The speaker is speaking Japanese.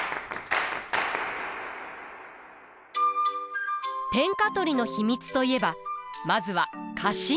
天下取りの秘密といえばまずは家臣団。